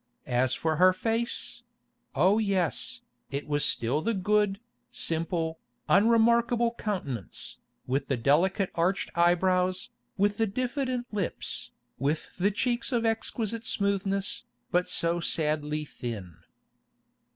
As for her face—oh yes, it was still the good, simple, unremarkable countenance, with the delicate arched eyebrows, with the diffident lips, with the cheeks of exquisite smoothness, but so sadly thin.